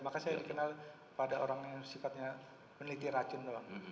makanya saya dikenal pada orang yang sifatnya peneliti racun doang